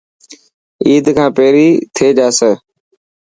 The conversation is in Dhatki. عيد کان پهري ٿي جاسي.